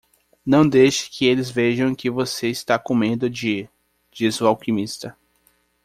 "Não deixe que eles vejam que você está com medo de?", disse o alquimista.